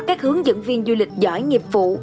các hướng dẫn viên du lịch giỏi nghiệp vụ